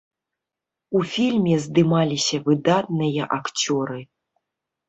У фільме здымаліся выдатныя акцёры.